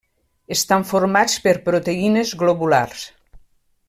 Estan formats per proteïnes globulars.